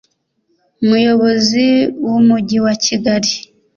umuyobozi w’umujyi wa Kigali